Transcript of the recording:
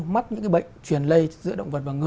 mắc những bệnh truyền lây giữa động vật hoang dã